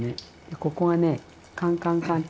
でここはねカンカンカン